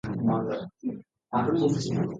أتتني شفاعات علي كريمة